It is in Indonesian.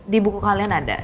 di buku kalian ada